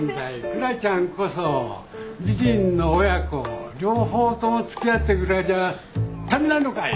クラちゃんこそ美人の親子両方とも付き合ってるぐらいじゃ足りないのかい？